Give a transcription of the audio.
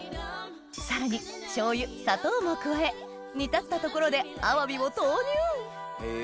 さらに醤油砂糖も加え煮立ったところでアワビを投入へぇ。